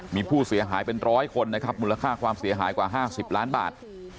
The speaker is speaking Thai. มีผู้เสียหายเป็นร้อยคนนะครับมูลค่าความเสียหายกว่า๕๐ล้านบาท